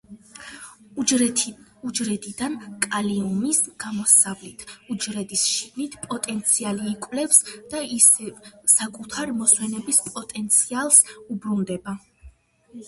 უჯრედიდან კალიუმის გამოსვლით, უჯრედის შიგნით პოტენციალი იკლებს და ისევ საკუთარ მოსვენების პოტენციალს უბრუნდება.